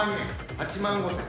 ８万５，０００。